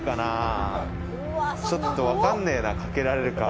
ちょっと分かんねえな掛けられるか。